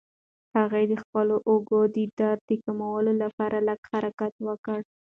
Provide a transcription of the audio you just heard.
هغه د خپلو اوږو د درد د کمولو لپاره لږ حرکت وکړ.